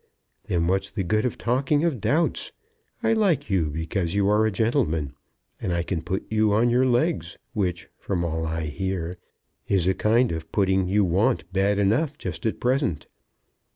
"Then what's the good of talking of doubts? I like you because you are a gentleman; and I can put you on your legs, which, from all I hear, is a kind of putting you want bad enough just at present.